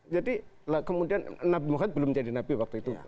jadi kemudian nabi muhammad belum jadi nabi waktu itu